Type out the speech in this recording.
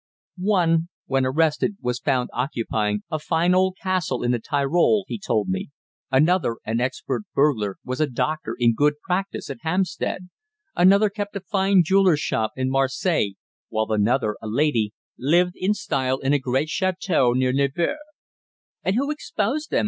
One, when arrested, was found occupying a fine old castle in the Tyrol, he told me; another an expert burglar was a doctor in good practice at Hampstead; another kept a fine jeweller's shop in Marseilles, while another, a lady, lived in style in a great château near Nevers. "And who exposed them?"